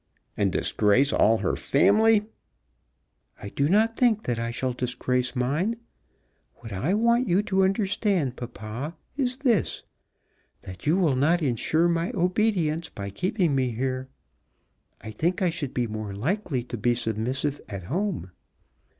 "And disgrace all her family?" "I do not think that I shall disgrace mine. What I want you to understand, papa, is this, that you will not ensure my obedience by keeping me here. I think I should be more likely to be submissive at home.